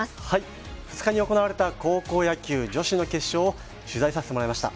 ２日に行われた高校野球女子の決勝を取材させていただきました。